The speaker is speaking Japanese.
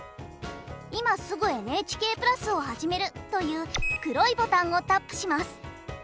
「今すぐＮＨＫプラスをはじめる」という黒いボタンをタップします。